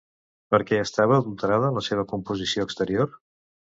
Per què estava adulterada la seva composició exterior?